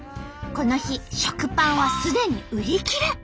この日食パンはすでに売り切れ。